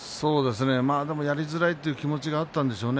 でもやりづらいという気持ちがあったんでしょう。